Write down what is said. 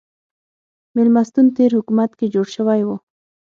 مېلمستون تېر حکومت کې جوړ شوی و.